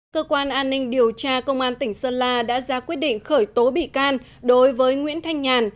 cơ quan an ninh điều tra công an tỉnh sơn la đã ra quyết định khởi tố bị can đối với nguyễn thanh nhàn